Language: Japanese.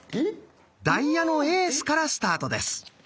ダイヤのエースからスタートです。